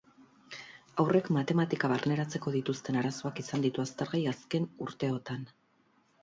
Haurrek matematika barneratzeko dituzten arazoak izan ditu aztergai azken urteotan.